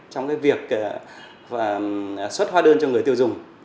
trong việc xuất hóa đơn cho người tiêu dùng